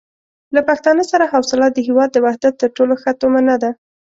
له پښتانه سره حوصله د هېواد د وحدت تر ټولو ښه تومنه ده.